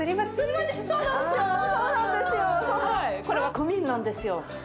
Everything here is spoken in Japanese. これはクミンなんですよ。